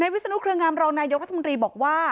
วิศนุเครืองามรองนายกรัฐมนตรีบอกว่า